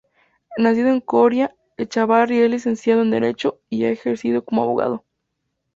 Nacido en Coria, Echávarri es Licenciado en Derecho y ha ejercido como abogado.